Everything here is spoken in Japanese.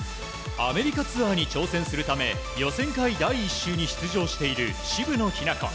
アメリカツアーに挑戦するため予選会第１週に出場している渋野日向子。